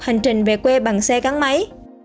hành trình về quê bằng xe gắn máy